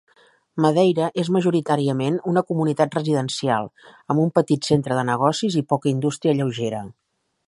Madeira és majoritàriament una comunitat residencial, amb un petit centre de negocis i poca indústria lleugera.